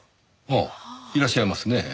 ああいらっしゃいますねぇ。